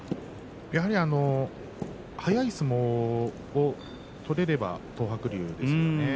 やはり早い相撲を取れれば東白龍ですね。